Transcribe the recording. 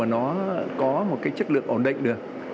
nó có một cái chất lượng ổn định được